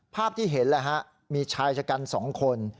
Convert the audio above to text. ภาพที่เห็นแล้วมีชายชะกันสองคน